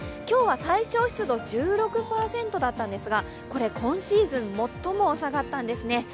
今日は最小湿度１６％だったんですがこれ、今シーズン最も下がったんですね。